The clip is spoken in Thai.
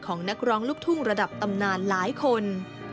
นักร้องลูกทุ่งระดับตำนานหลายคน